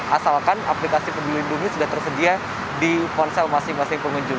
asalkan aplikasi peduli lindungi sudah tersedia di ponsel masing masing pengunjung